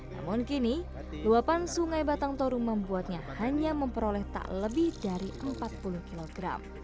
namun kini luapan sungai batang toru membuatnya hanya memperoleh tak lebih dari empat puluh kg